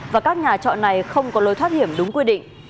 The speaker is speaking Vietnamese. và các nhà trọ này không có lối thoát hiểm đúng quy định